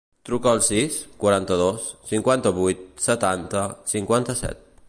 Truca al sis, quaranta-dos, cinquanta-vuit, setanta, cinquanta-set.